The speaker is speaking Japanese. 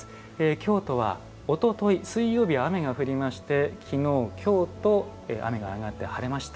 京都は、おととい、水曜日は雨が降りまして昨日、今日と雨が上がって晴れました。